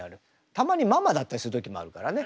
たまにママだったりする時もあるからね。